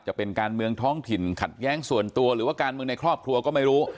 จะเป็นการเมืองท้องถิ่นขัดแย้งส่วนตัวหรือว่าการเมืองในครอบครัวก็ไม่รู้